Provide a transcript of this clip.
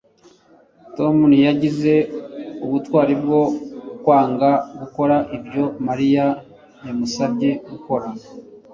Tom ntiyagize ubutwari bwo kwanga gukora ibyo Mariya yamusabye gukora